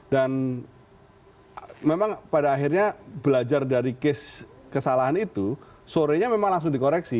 dan memang pada akhirnya belajar dari kes kesalahan itu sorenya memang langsung dikoreksi